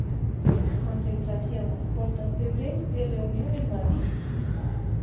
Concentración ás portas de Brens e reunión en Madrid.